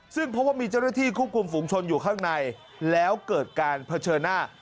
ซึ่งเพราะว่ามีเจ้าหน้าที่ควบคุมฝุงชนอยู่ข้างในแล้วเกิดการเผชิญหน้า